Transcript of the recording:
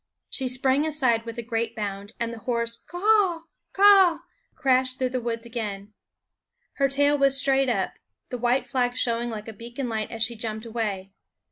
She sprang aside with a great bound, and the hoarse K a a a h! k a a a h! crashed through the woods again. Her tail was straight up, the white flag showing like a beacon light as she jumped away.